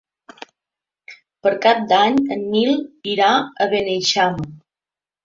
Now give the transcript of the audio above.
Per Cap d'Any en Nil irà a Beneixama.